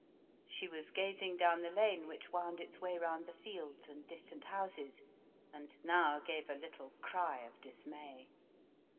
She was gazing down the lane which wound its way round the fields and distant houses and now gave a little cry of dismay.